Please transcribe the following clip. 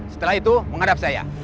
setelah itu menghadap saya